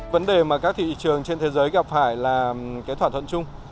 vấn đề mà các thị trường trên thế giới gặp phải là cái thỏa thuận chung